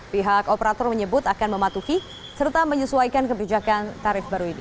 pihak operator menyebut akan mematuhi serta menyesuaikan kebijakan tarif baru ini